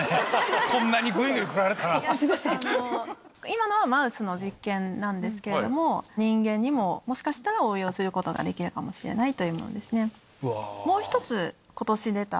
今のはマウスの実験なんですけれども人間にももしかしたら応用することができるかもしれないというものですね。